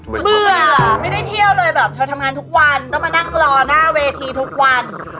เบื่อไม่ได้เที่ยวเลยแบบเธอทำงานทุกวันต้องมานั่งรอหน้าเวทีทุกวัน